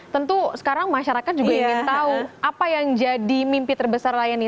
tentu sekarang masyarakat juga ingin tahu apa yang jadi mimpi terbesar layani